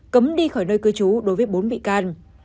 cấm đi khỏi nơi cư trú đối với bốn bị can